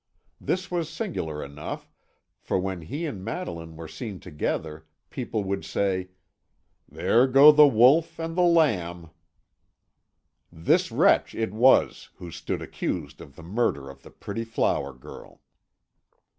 This was singular enough, for when he and Madeline were seen together, people would say, "There go the wolf and the lamb." This wretch it was who stood accused of the murder of the pretty flower girl.